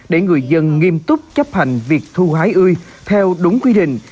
để người dân nghiêm túc chấp hành việc thu hái ươi theo đúng quy định